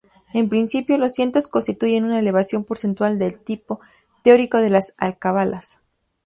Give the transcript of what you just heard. En principio, los cientos constituyen una elevación porcentual del tipo teórico de las alcabalas.